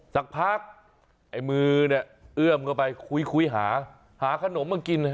สักพักไอ้มือเนี่ยเอื้อมเข้าไปคุยหาหาขนมมากิน